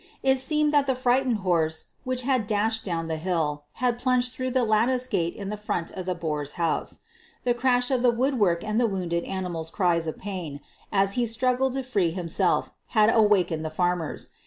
It seemed that the fright ened horse which had dashed down the hill had plunged through the lattice gate in the front of the Boer's house. The crash of the woodwork and the wounded ani < mal's cries of pain as he struggled to free himself i had awakened the farmers.